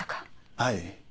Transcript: はい。